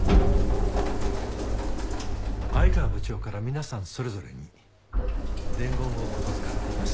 愛川部長から皆さんそれぞれに伝言を言付かっています。